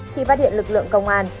khi phát hiện lực lượng công an